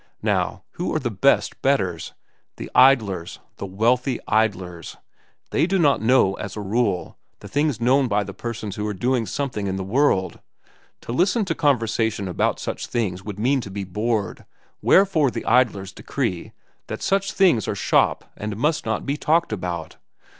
Now, who are the best betters? The idlers, the wealthy idlers. They do not know, as a rule, the things known by the persons who are doing something in the world. To listen to conversation about such things would mean to be bored, wherefore the idlers decree that such things are shop and must not be talked about.